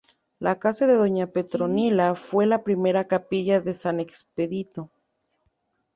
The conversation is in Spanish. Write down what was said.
La casa de Doña Petronila fue la primera capilla de San Expedito.